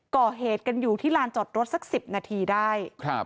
ก่อเหตุกันอยู่ที่ลานจอดรถสัก๑๐นาทีได้